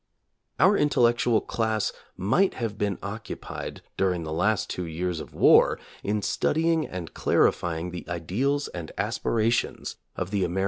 Our intellectual class might have been occupied, during the last two years of war, in studying and clarifying the ideals and aspirations of the Ameri 1 June, 1917.